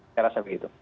saya rasa begitu